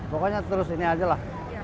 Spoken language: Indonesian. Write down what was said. pokoknya terus ini aja lah